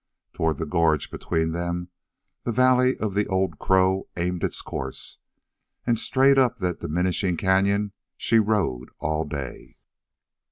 Toward the gorge between them the valley of the Old Crow aimed its course, and straight up that diminishing canyon she rode all day.